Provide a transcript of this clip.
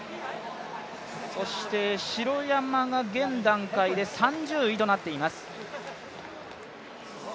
そして城山が現段階で３０位となっています。